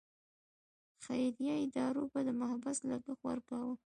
خیریه ادارو به د محبس لګښت ورکاوه.